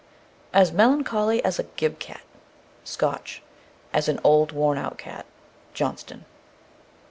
As melancholy as a gib cat (Scotch). As an old, worn out cat. JOHNSTON.